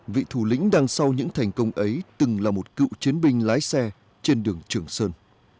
vị thủ lĩnh đằng sau những thành công ấy từng là một cựu chiến binh lái xe trên đường trường sơn